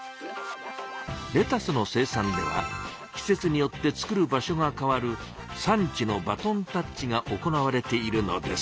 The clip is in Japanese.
レタスの生産では季節によって作る場所が変わる「産地のバトンタッチ」が行われているのです。